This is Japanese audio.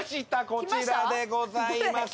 こちらでございます。